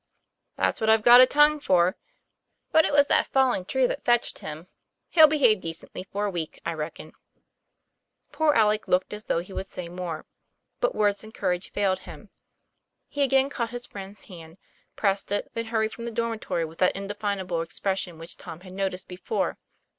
'That's what I've got a tongue for. But it was that falling tree which fetched him. He'll behave decently for a week, I reckon." Poor Alec looked as though he would say more; but words and courage failed him. He again caught his friend's hand, pressed it, then hurried from the dormitory with that indefinable expression which Tom had noticed before.